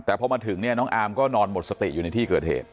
แต่พอมาถึงเนี่ยน้องอาร์มก็นอนหมดสติอยู่ในที่เกิดเหตุ